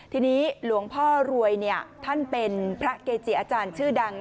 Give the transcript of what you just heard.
ทีนี้หลวงพ่อรวยท่านเป็นพระเกจิอาจารย์ชื่อดัง